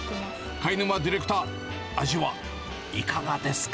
貝沼ディレクター、味はいかがですか？